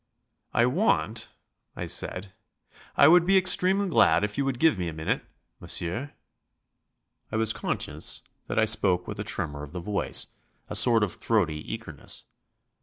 "I want," I said, "I would be extremely glad if you would give me a minute, monsieur." I was conscious that I spoke with a tremour of the voice, a sort of throaty eagerness.